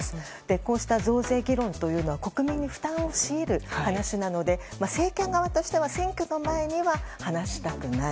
こうした増税議論というのは国民に負担を強いる話なので政権側としては選挙の前には話したくない。